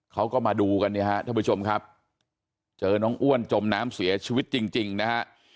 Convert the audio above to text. เขาก็มาดูกันเนี่ยฮะท่านผู้ชมครับเจอน้องอ้วนจมน้ำเสียชีวิตจริงนะฮะ